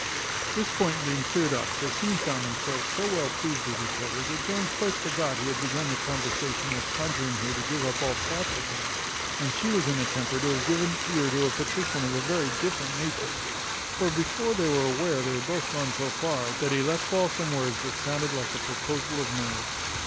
This point being cleared up, they soon found themselves so well pleased with each other, that Jones quite forgot he had begun the conversation with conjuring her to give up all thoughts of him; and she was in a temper to have given ear to a petition of a very different nature; for before they were aware they had both gone so far, that he let fall some words that sounded like a proposal of marriage.